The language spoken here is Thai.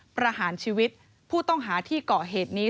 ประหารชีวิตผู้ต้องหาที่เกาะเหตุนี้